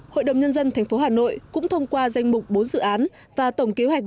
hội đồng nhân dân tp hà nội cũng thông qua danh mục bốn dự án và tổng kế hoạch